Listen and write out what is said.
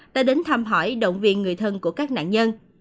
đã đến thăm hỏi động viên người thân của các nạn nhân